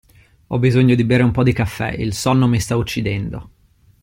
Ho bisogno di bere un po' di caffè, il sonno mi sta uccidendo.